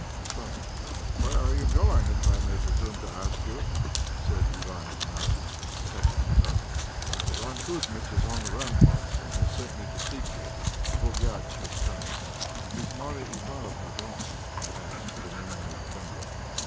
I stopped. "Where are you going, if I may presume to ask you?" said Iwán Ignatiitch, catching me up. "Iván Kouzmitch is on the ramparts, and has sent me to seek you. The 'pugatch' has come." "Is Marya Ivánofna gone?" I asked, with an inward trembling.